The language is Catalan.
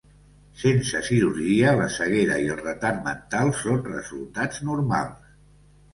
Sense cirurgia, la ceguera i el retard mental són resultats normals.